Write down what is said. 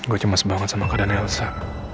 gue cemas banget sama keadaan elsa